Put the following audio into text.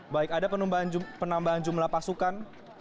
baik ada penambahan jumlah pasukan